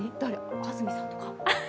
安住さんとか？